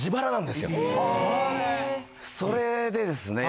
それでですね。